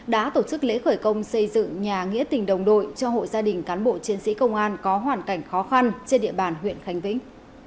đã tổ chức lễ khởi công xây dựng nhà nghĩa tình đồng đội cho hộ gia đình cán bộ chiến sĩ công an có hoàn cảnh khó khăn trên địa bàn huyện khánh vĩnh